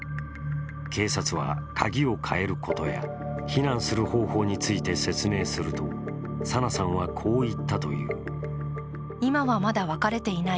警察は鍵を変えることや避難する方法について説明すると、紗菜さんはこう言ったという。